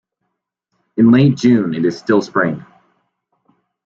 In late June it is still Spring.